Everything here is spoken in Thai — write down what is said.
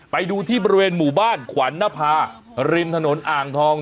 ไปดูที่บริเวณหมู่บ้านขวัญนภาริมถนนอ่างทอง